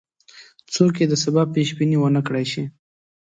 څوک یې د سبا پیش بیني ونه کړای شي.